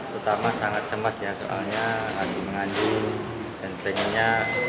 terutama sangat cemas ya soalnya lagi mengandung dan pengennya